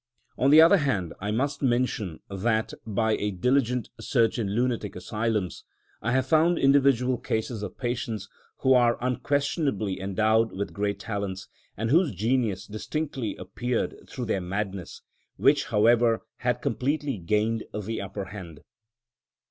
On the other hand, I must mention that, by a diligent search in lunatic asylums, I have found individual cases of patients who were unquestionably endowed with great talents, and whose genius distinctly appeared through their madness, which, however, had completely gained the upper hand.